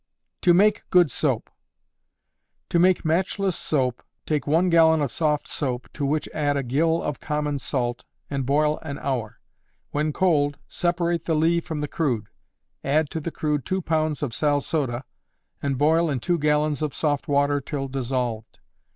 To Make Good Soap. To make matchless soap, take one gallon of soft soap, to which add a gill of common salt, and boil an hour. When cold, separate the ley from the crude. Add to the crude two pounds of sal soda, and boil in two gallons of soft water till dissolved.